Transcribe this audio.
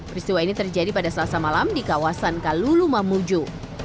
peristiwa ini terjadi pada selasa malam di kawasan kalulumamuju